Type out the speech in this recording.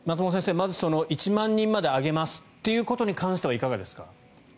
まず１万人まで上げますということに関してはいかがですか。